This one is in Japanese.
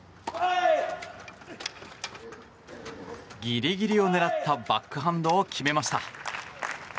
ギリギリを狙ったバックハンドを決めました。